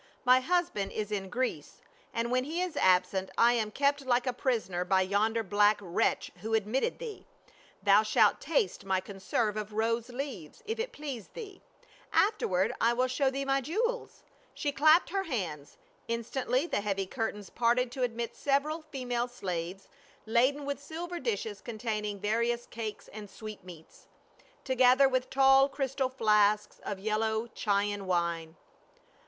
" My husband is in Greece, and when he is absent I am kept like a prisoner by yonder black wretch who admitted thee. Thou shalt taste my con serve of rose leaves, if it please thee ; afterward I will show thee my jewels." She clapped her hands, instantly the heavy curtains parted to admit several female slaves laden with silver dishes containing vari ous cakes and sweetmeats, together with tall crystal flasks of yellow Chian wine.